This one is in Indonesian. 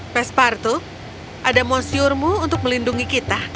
pespartu ada monsirmu untuk melindungi kita